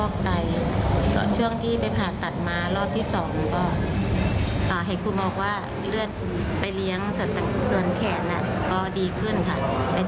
แค่เห็นน้องแค่นี้ก็โอเคแล้วค่ะเอาให้น้องกลับมาแค่นี้ก็โอเคมากแล้วค่ะ